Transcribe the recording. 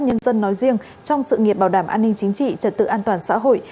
nhân dân nói riêng trong sự nghiệp bảo đảm an ninh chính trị trật tự an toàn xã hội